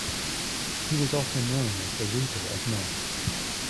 He was also known as the reaper of men.